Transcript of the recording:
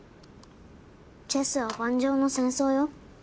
チェスは盤上の戦争よ。